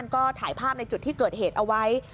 ก็ถ่ายภาพในจุดที่เกิดเหตุเอาไว้